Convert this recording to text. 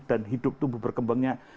dan hidup tumbuh berkembangnya